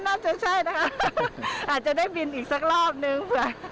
น่าจะใช่นะคะอาจจะได้บินอีกสักรอบนึง